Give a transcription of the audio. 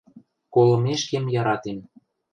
Колымешкем яратем.